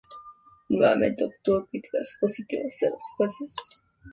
Nuevamente obtuvo críticas positivas de los jueces.